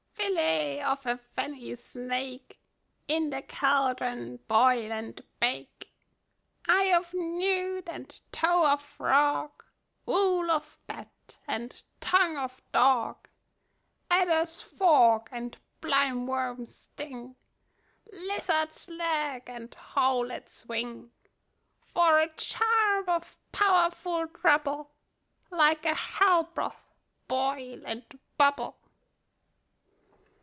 Fillet of a fenny snake, In the cauldron boil and bake; Eye of newt, and toe of frog, Wool of bat, and tongue of dog, Adder's fork, and blind worm's sting, Lizard's leg, and howlet's wing, For a charm of powerful trouble, Like a hell broth boil and bubble.